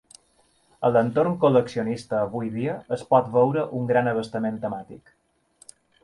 A l'entorn col·leccionista avui dia es pot veure un gran abastament temàtic